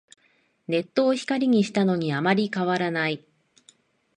ネットを光にしたのにあんまり変わらない